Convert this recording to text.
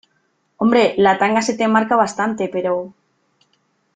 hombre , la tanga se te marca bastante , pero ...